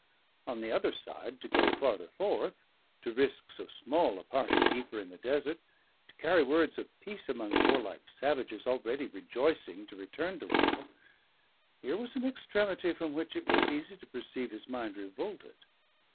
On the other side, to go farther forth, to risk so small a party deeper in the desert, to carry words of peace among warlike savages already rejoicing to return to war: here was an extremity from which it was easy to perceive his mind revolted.